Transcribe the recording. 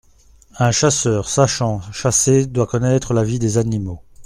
Un chasseur sachant chasser doit connaître la vie des animaux.